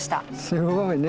すごいね。